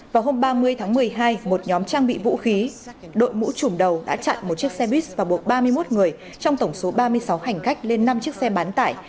vào hôm ba mươi tháng một mươi hai một nhóm trang bị vũ khí đội mũ trùm đầu đã chặn một chiếc xe bus và buộc ba mươi một người trong tổng số ba mươi sáu hành khách lên năm chiếc xe bán tải